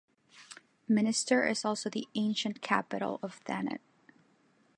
Minster is also the "ancient capital of Thanet".